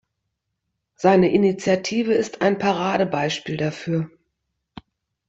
Seine Initiative ist ein Paradebeispiel dafür.